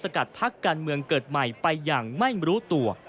กัดพักการเมืองเกิดใหม่ไปอย่างไม่รู้ตัว